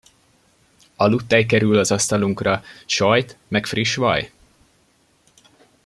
Aludttej kerül az asztalunkra, sajt meg friss vaj!